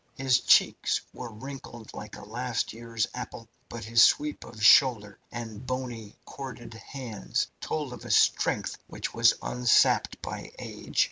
His cheeks were wrinkled like a last year's apple, but his sweep of shoulder, and bony, corded hands, told of a strength which was unsapped by age.